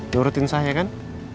durutin saya kan